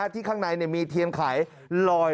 ที่ข้างในมีเทียนไข่ลอย